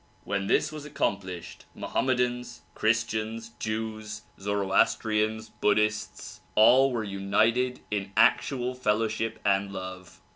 When this was accomplished, Mohammedans, Christians, Jews, Zoroastrians, Buddhists all were united in actual fellowship and love.